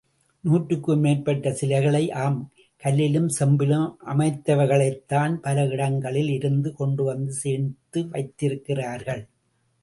நூற்றுக்கு மேற்பட்ட சிலைகளை, ஆம் கல்லிலும், செம்பிலும் அமைந்தவைகளைத்தான் பல இடங்களில் இருந்து கொண்டுவந்து சேர்த்து வைத்திருக்கிறார்கள்.